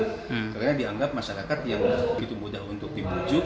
karena dianggap masyarakat yang begitu mudah untuk dibujuk